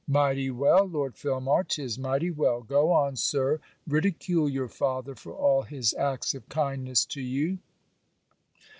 'Mighty well, Lord Filmar! 'Tis mighty well! Go on, Sir, Ridicule your father for all his acts of kindness to you!'